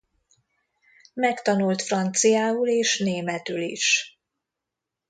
Megtanult franciául és németül is.